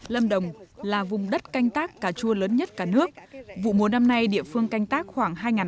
lâm đồng là vùng đất canh tác cà chua lớn nhất cả nước vụ mùa năm nay địa phương canh tác khoảng